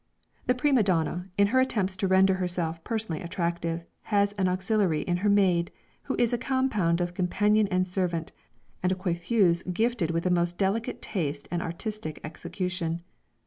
The prima donna, in her attempts to render herself personally attractive, has an auxiliary in her maid, who is a compound of companion and servant, and a coiffeuse gifted with the most delicate taste and artistic execution.